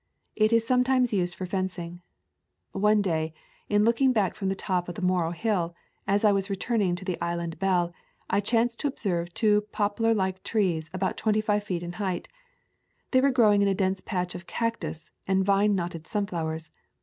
It is sometimes used for fencing. One day, in looking back from the top of the Morro Hill, as I was returning to the Island Belle, I chanced to observe two poplar like trees about twenty five feet in height. They were growing in a dense patch of cactus and vine knotted sunflowers.